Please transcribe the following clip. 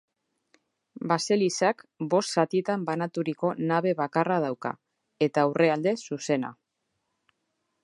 Baselizak bost zatitan banaturiko nabe bakarra dauka, eta aurrealde zuzena.